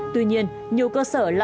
tuy nhiên nhiều cơ sở lạm dụng khả năng này